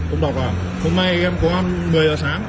ông bảo quản hôm nay em có ăn một mươi h sáng